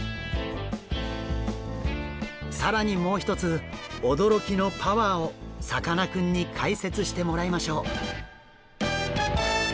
更にもう一つ驚きのパワーをさかなクンに解説してもらいましょう。